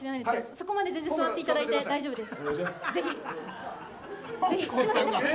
それまで座っていただいて大丈夫です。